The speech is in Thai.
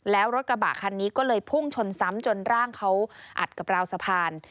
แล้วรถกระบะคันนี้ก็เลยพุ่งชนซ้ำจนร่างเขาอัดกับราวสะพาน